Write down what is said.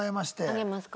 上げますか？